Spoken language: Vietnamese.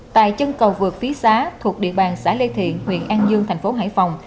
tại chân cầu vượt phía xá thuộc địa bàn xã lê thiện huyện an dương thành phố hải phòng